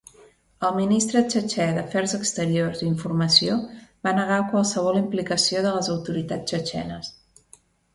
El ministre txetxè d'Afers Exteriors i Informació va negar qualsevol implicació de les autoritats txetxenes.